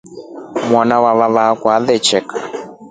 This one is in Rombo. Mwana wamavava akwa atreka.